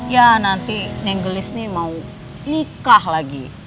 ya nanti neng gelis nih mau nikah lagi